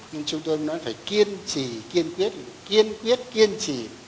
nhưng chúng tôi nói phải kiên trì kiên quyết kiên quyết kiên trì